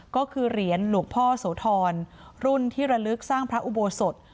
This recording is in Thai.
ก็คือเหรียญหลวงพ่อโสธรรุ่นที่ระลึกสร้างพระอุโบสถ